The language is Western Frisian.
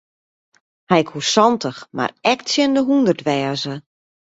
Hy koe santich mar ek tsjin de hûndert wêze.